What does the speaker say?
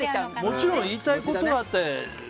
もちろん言いたいことがあって。